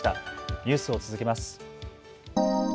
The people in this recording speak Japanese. ニュースを続けます。